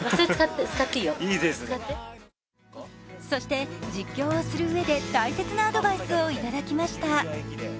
そして実況をするうえで大切なアドバイスをいただきました。